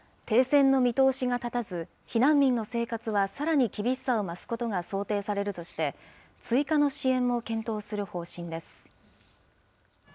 停戦の見通しが立たず、避難民の生活はさらに厳しさを増すことが想定されるとして、追加の支援も検討する方針です。